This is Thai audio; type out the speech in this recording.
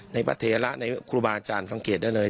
ในประเทศและในครูบาอาจารย์สังเกตด้วยเลย